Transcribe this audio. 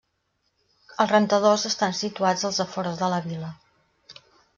Els rentadors estan situats als afores de la vila.